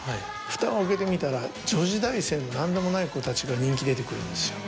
フタを開けてみたら女子大生の何でもない子たちが人気出てくるんですよ